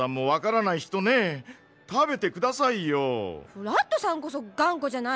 フラットさんこそがんこじゃない。